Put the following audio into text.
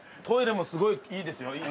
トイレもすごいいいですよ。